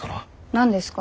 何ですか？